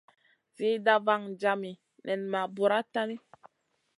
Zida vaŋ jami nen ma bura tahni.